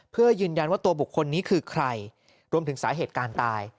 เพื่อยืนยันว่าตัวบุคคลนี้คือใครรวมถึงสาเหตุการณ์ตาย